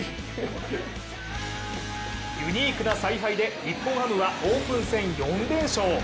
ユニークな采配で日本ハムはオープン戦４連勝。